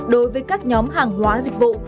đối với các nhóm hàng hóa dịch vụ